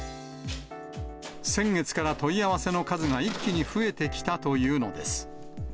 先月から問い合わせの数が一気に増えてきたというのです。